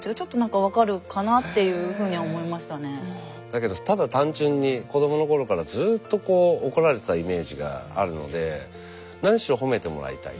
だけどただ単純に子どもの頃からずっと怒られてたイメージがあるので何しろ褒めてもらいたい。